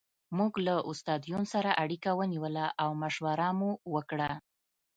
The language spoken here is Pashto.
موږ له استاد یون سره اړیکه ونیوله او مشوره مو وکړه